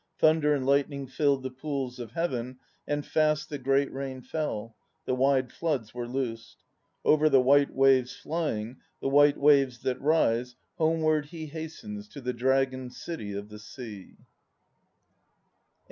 Thunder and lightning filled The pools of Heaven, and fast The great rain fell ; the wide floods were loosed. Over the white waves flying, The white waves that rise, Homeward he hastens To the Dragon City of the sea.